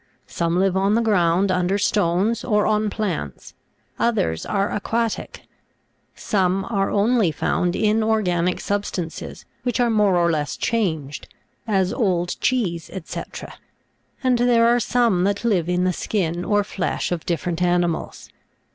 Some live on the ground under stones, or on plants ; others are aquatic ; some are only found in organic substances, which are more or less changed, as old cheese, &c. ; and there are some that live in the skin or flesh of different animals.